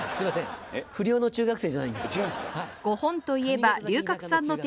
不良の中学生じゃないんですよ。